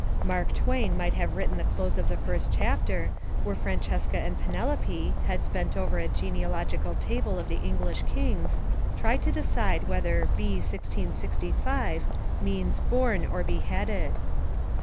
Mark Twain might have written the close of the first chap ter, where Francesca and Penelope, heads bent over a genealogical table of the English kings, try to decide whether "b. 1665" means born or beheaded.